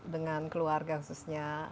dengan keluarga khususnya